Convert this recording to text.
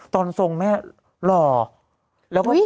ตอนทรงแม่หล่อ